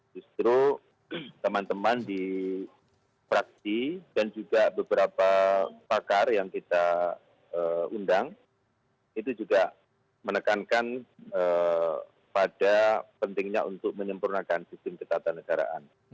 justru teman teman di praksi dan juga beberapa pakar yang kita undang itu juga menekankan pada pentingnya untuk menyempurnakan sistem ketatanegaraan